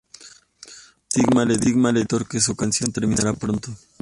Ood Sigma le dice al Doctor que su canción terminará pronto.